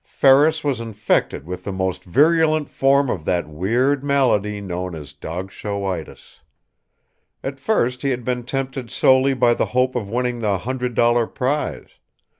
Ferris was infected with the most virulent form of that weird malady known as "dog showitis." At first he had been tempted solely by the hope of winning the hundred dollar prize.